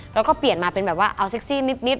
แล้วก็เปลี่ยนมาเป็นแบบว่าเอาเซ็กซี่นิด